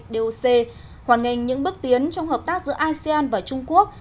đều xê hoàn nghênh những bước tiến trong hợp tác giữa asean và trung quốc